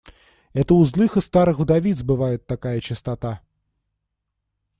Это у злых и старых вдовиц бывает такая чистота.